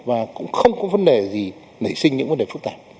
và cũng không có vấn đề gì nảy sinh những vấn đề phức tạp